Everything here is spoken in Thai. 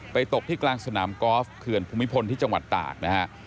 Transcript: ตกที่กลางสนามกอล์ฟเขื่อนภูมิพลที่จังหวัดตากนะฮะ